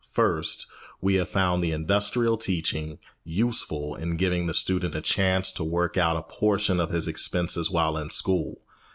First, we have found the industrial teaching useful in giving the student a chance to work out a portion of his expenses while in school.